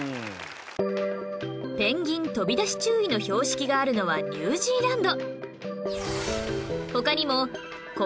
ペンギン飛び出し注意の標識があるのはニュージーランド